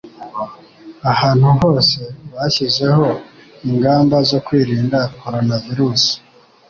ahantu hose bashyizeho ingamba zo kwirinda corona virus